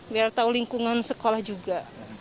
biar tahu lingkungan sekolah juga